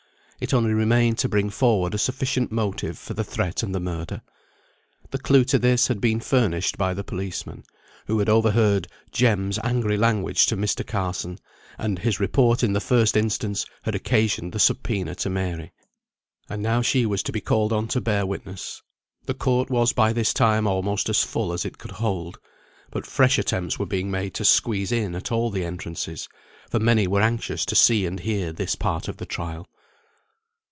It only remained to bring forward a sufficient motive for the threat and the murder. The clue to this had been furnished by the policeman, who had overheard Jem's angry language to Mr. Carson; and his report in the first instance had occasioned the subpoena to Mary. And now she was to be called on to bear witness. The court was by this time almost as full as it could hold; but fresh attempts were being made to squeeze in at all the entrances, for many were anxious to see and hear this part of the trial.